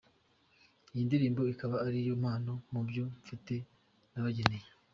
Iyi ndirimbo ikaba ari yo mpano mu byo mfite nabageneye.